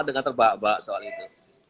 dengan terbabak soal itu